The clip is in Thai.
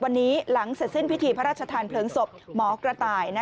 วันนี้หลังเสร็จสิ้นพิธีพระราชทานเพลิงศพหมอกระต่าย